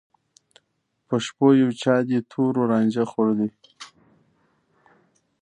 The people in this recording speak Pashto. په شپو یو چا دي تور رانجه خوړلي